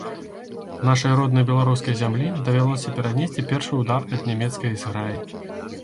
Нашай роднай беларускай зямлі давялося перанесці першы ўдар ад нямецкай зграі.